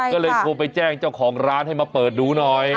ก็เลยโทรไปแจ้งเจ้าของร้านให้มาเปิดดูหน่อย